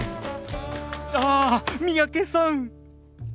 ああ三宅さん。